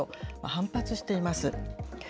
反発しています。